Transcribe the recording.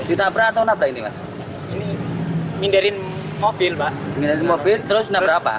ini mindarin mobil terus nabrak apa